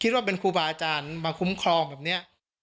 ว่าเป็นครูบาอาจารย์มาคุ้มครองแบบนี้